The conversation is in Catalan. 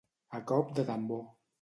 A cop de tambor.